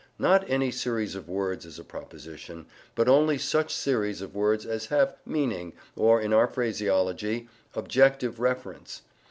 Not any series of words is a proposition, but only such series of words as have "meaning," or, in our phraseology, "objective reference."